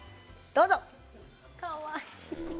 どうぞ！